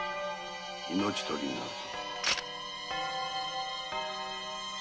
命取りになるぞ。